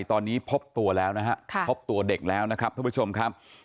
ตอนนี้พบตัวแล้วนะฮะพบตัวเด็กแล้วนะครับท่านผู้ชมครับ